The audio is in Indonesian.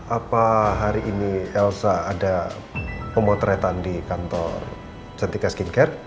apa hari ini elsa ada pemotretan di kantor cantika skincare